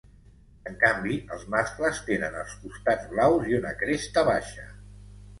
En canvi, els mascles, tenen els costats blaus i una cresta baixa.